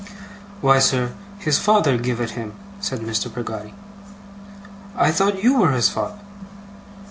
'Why, sir, his father giv it him,' said Mr. Peggotty. 'I thought you were his father!